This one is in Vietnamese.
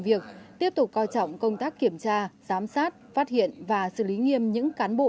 việc tiếp tục coi trọng công tác kiểm tra giám sát phát hiện và xử lý nghiêm những cán bộ